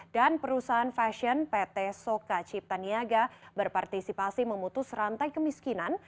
dan perusahaan fashion pt soka cipta niaga berpartisipasi memutus rantai kemiskinan